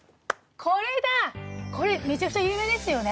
これめちゃくちゃ有名ですよね